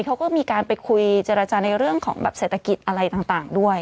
เขาก็มีการไปคุยเจรจาในเรื่องของแบบเศรษฐกิจอะไรต่างด้วย